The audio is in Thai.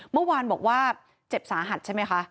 เมื่อวานบอกว่าเจ็บสาหัสใช่ไหมคะ